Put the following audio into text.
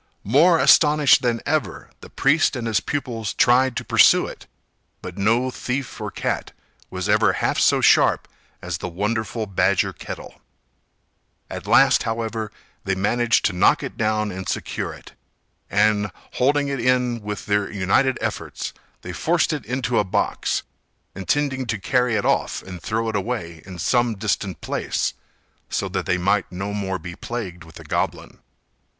More astonished than ever, the priest and his pupils tried to pursue it; but no thief or cat was ever half so sharp as the wonderful badger kettle. At last, however, they managed to knock it down and secure it; and, holding it in with their united efforts, they forced it into a box, intending to carry it off and throw it away in some distant place, so that they might no more be plagued with the goblin.